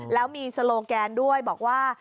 แล้วมีโซโลแกนด้วยบอกว่า